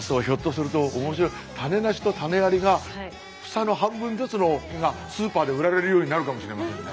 種なしと種ありが房の半分ずつのがスーパーで売られるようになるかもしれませんね。